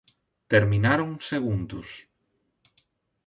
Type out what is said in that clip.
Terminaron segundos.